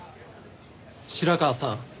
白川さん。